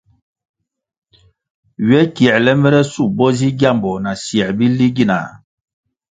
Ywe kiēle mere shup bo zi gyambo na syē bili gina?